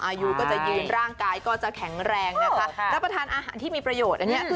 อายุก็จะยืนร่างกายก็จะแข็งแรงนะคะรับประทานอาหารที่มีประโยชน์อันนี้